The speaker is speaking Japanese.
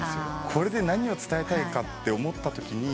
これで何を伝えたいかって思ったときに。